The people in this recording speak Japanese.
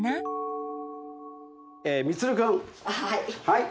はい。